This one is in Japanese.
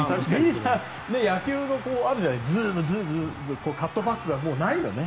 野球のあるじゃないカットバックがないよね。